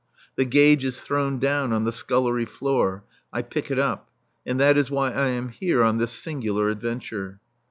The gage is thrown down on the scullery floor. I pick it up. And that is why I am here on this singular adventure.